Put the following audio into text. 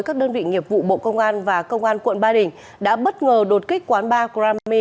các đơn vị nghiệp vụ bộ công an và công an tp hcm đã bất ngờ đột kích quán ba grammy